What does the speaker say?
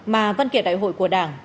mà văn kiệp đại hội của đảng